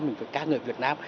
mình phải ca người việt nam